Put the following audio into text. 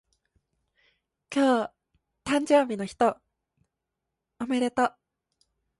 今日誕生日の人おめでとう